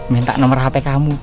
minta nomer hp kamu